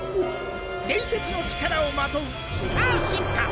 伝説の力をまとうスター進化。